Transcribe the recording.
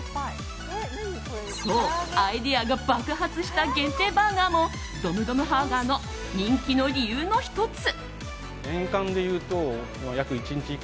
そう、アイデアが爆発した限定バーガーもドムドムバーガー人気の理由の１つ。